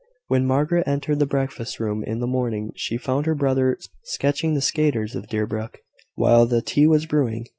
When Margaret entered the breakfast room in the morning, she found her brother sketching the skaters of Deerbrook, while the tea was brewing.